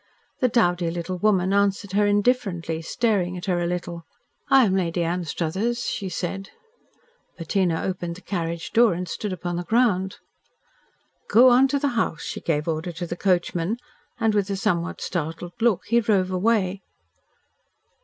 The dowdy little woman answered her indifferently, staring at her a little. "I am Lady Anstruthers," she said. Bettina opened the carriage door and stood upon the ground. "Go on to the house," she gave order to the coachman, and, with a somewhat startled look, he drove away.